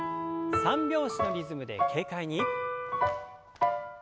三拍子のリズムで軽快に。